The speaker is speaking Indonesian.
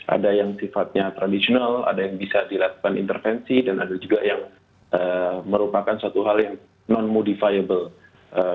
ada yang sifatnya tradisional ada yang bisa dilakukan intervensi dan ada juga yang merupakan suatu hal yang non modifiable